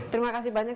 terima kasih banyak